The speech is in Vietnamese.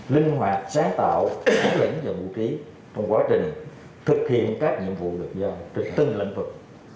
linh hoạt sáng tạo hóa lĩnh và vũ khí trong quá trình thực hiện các nhiệm vụ được do từ từng lãnh vực